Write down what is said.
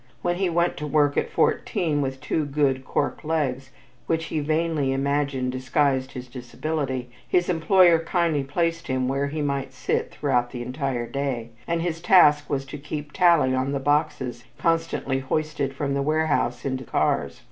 When he went to work at fourteen with two good cork legs, which he vainly imagined disguised his disability, his employer kindly placed him where he might sit throughout the entire day, and his task was to keep tally on the boxes constantly hoisted from the warehouse into cars.